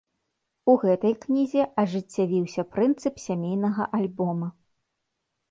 У гэтай кнізе ажыццявіўся прынцып сямейнага альбома.